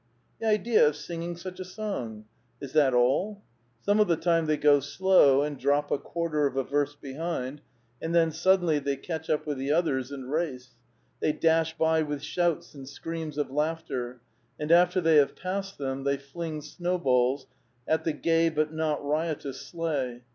"* The idea of singing such a song ! Is that all ? Some of the time they go slow and drop a quarter of a verst behind, and then suddenly they catch up with the others, and race ; they dash by with shouts and screams of laughter, and after they have passed them, they fling snowballs at the gay but not riotous sleigh.